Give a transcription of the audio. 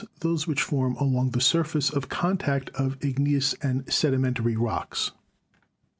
those which form along the surface of contact of ig neous and sedimentary rocks.